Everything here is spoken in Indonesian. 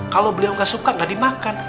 kalau beliau gak suka gak dimakan